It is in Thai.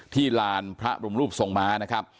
ที่ลานพระรุมรูปส่งมา